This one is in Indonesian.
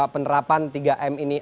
penerapan tiga m ini